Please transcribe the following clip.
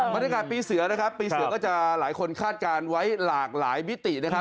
บรรยากาศปีเสือนะครับปีเสือก็จะหลายคนคาดการณ์ไว้หลากหลายมิตินะครับ